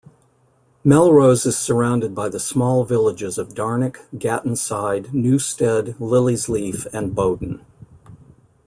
Melrose is surrounded by the small villages of Darnick, Gattonside, Newstead, Lilliesleaf and Bowden.